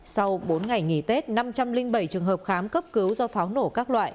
sau bốn ngày nghỉ tết năm trăm linh bảy trường hợp khám cấp cứu do pháo nổ các loại